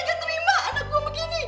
gue gak terima anak gue begini